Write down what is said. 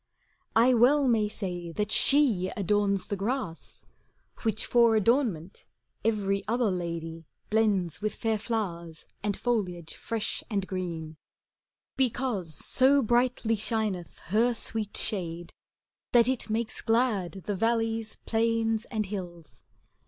I well may say that she adorns the grass, Which for adornment every other lady Blends with fair flowers and foliage fresh and green; Because so brightly shineth her sweet shade. That it makes glad the valleys, plains, and hills.